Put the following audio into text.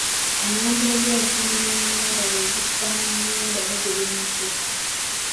Omulandira og’wenkenene eŋŋanda bw’ogussa mu nnyumba gugoba emisota.